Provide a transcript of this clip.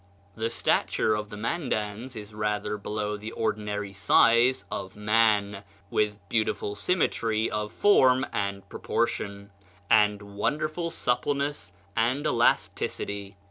"The stature of the Mandans is rather below the ordinary size of man, with beautiful symmetry of form and proportion, and wonderful suppleness and elasticity."